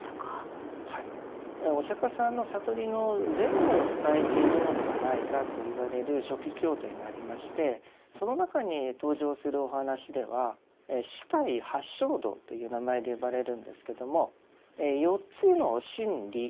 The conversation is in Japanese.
お釈迦さんの悟りの前後を伝えているのではないかといわれる初期経典がありましてその中に登場するお話では四諦八正道という名前で呼ばれるんですけども四つの真理